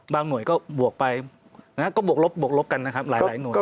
บางหน่วยก็บวกไปก็บวกลบกันนะครับหลายหน่วย